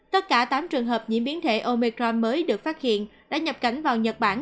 tất cả tám trường hợp nhiễm biến thể omecron mới được phát hiện đã nhập cảnh vào nhật bản